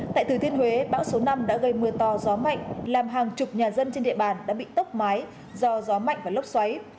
tại thừa thiên huế bão số năm đã gây mưa to gió mạnh làm hàng chục nhà dân trên địa bàn đã bị tốc mái do gió mạnh và lốc xoáy